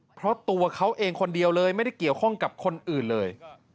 เพราะตัวเขาเองคนเดียวเลยไม่ได้เกี่ยวข้องกับคนอื่นเลย